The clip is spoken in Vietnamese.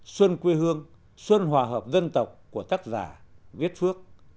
xuân quê hương xuân hòa hợp dân tộc của tác giả viết phước